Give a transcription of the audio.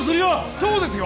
そうですよ。